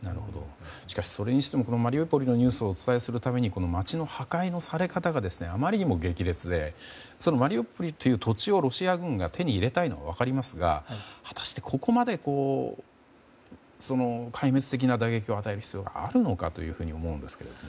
しかしそれにしてもマリウポリのニュースをお伝えする度に街の破壊のされ方があまりにも激烈でマリウポリという土地をロシア軍が手に入れたいのは分かりますが果たして、ここまで壊滅的な打撃を与える必要があるのかと思うんですが。